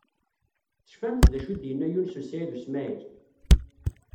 Tecfamt d acu i d-yenna Yunes u Saɛid u Smaɛil?